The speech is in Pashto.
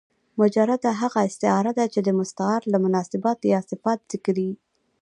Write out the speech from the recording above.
مجرده هغه استعاره ده، چي د مستعارله مناسبات یا صفات ذکر يي.